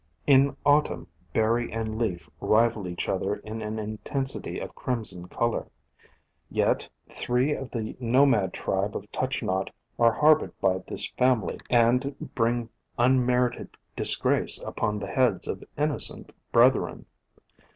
In Autumn berry and leaf rival each other in an intensity of crimson color. Yet three POISONOUS PLANTS of the nomad tribe of Touch Not are harbored by this family, and bring unmerited disgrace upon the heads of innocent brethren.